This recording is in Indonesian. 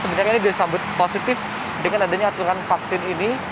sebenarnya ini disambut positif dengan adanya aturan vaksin ini